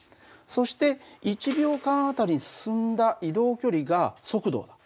そして１秒間あたりに進んだ移動距離が速度だ。